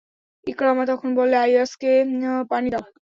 ইকরামা তখন বললেন, আইয়াসকে পানি দাও।